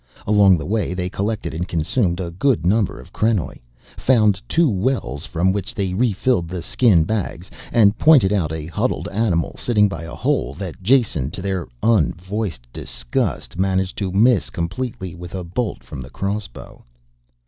Along the way they collected and consumed a good number of krenoj, found two wells from which they refilled the skin bags, and pointed out a huddled animal sitting by a hole that Jason, to their un voiced disgust, managed to miss completely with a bolt from the crossbow.